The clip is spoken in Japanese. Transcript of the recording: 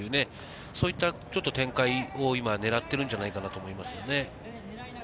そういう展開を今、狙ってるんじゃないかと思いますね。